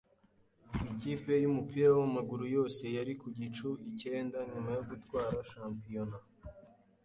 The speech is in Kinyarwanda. Ikipe yumupira wamaguru yose yari ku gicu icyenda nyuma yo gutwara shampiyona.